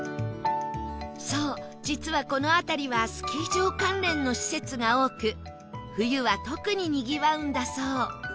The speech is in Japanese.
そう実はこの辺りはスキー場関連の施設が多く冬は特ににぎわうんだそう